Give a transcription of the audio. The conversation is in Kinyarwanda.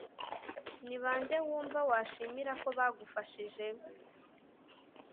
ni ba nde wumva washimira ko bagufashije?